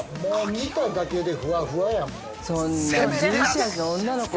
◆見ただけでふわふわや、もう。